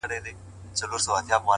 ټول عمر تكه توره شپه وي رڼا كډه كړې _